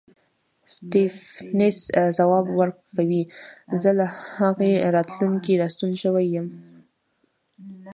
سټېفنس ځواب ورکوي زه له هغې راتلونکې راستون شوی یم